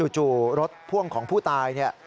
จู่รถพ่วงของผู้ตาย